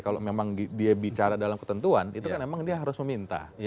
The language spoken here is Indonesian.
kalau memang dia bicara dalam ketentuan itu kan memang dia harus meminta